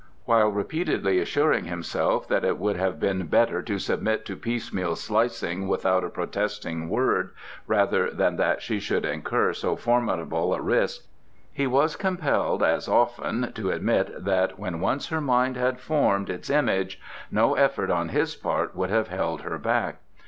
While repeatedly assuring himself that it would have been better to submit to piecemeal slicing without a protesting word rather than that she should incur so formidable a risk, he was compelled as often to admit that when once her mind had formed its image no effort on his part would have held her back.